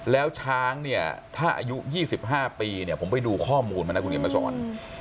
แล้วช้างเนี่ยถ้าอายุ๒๕ปีเนี่ยผมไปดูข้อมูลมานะคุณเห็นมาสอน